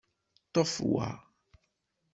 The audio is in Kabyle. Ṭṭef wa!